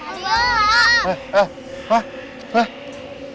om mario bangun om